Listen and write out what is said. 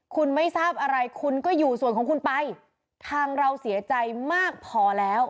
คุณไม่ทราบอะไรคุณก็อยู่ส่วนของคุณไปทางเราเสียใจมากพอแล้ว